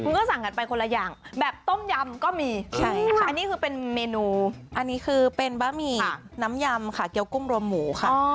ก็สั่งกันไปคนละอย่างแบบต้มยำก็มีใช่ค่ะอันนี้คือเป็นเมนูอันนี้คือเป็นบะหมี่น้ำยำค่ะเกี้ยวกุ้งรวมหมูค่ะ